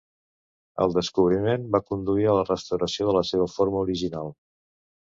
El descobriment va conduir a la restauració de la seva forma original.